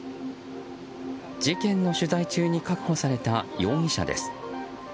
事件の取材中に確保された容疑者です。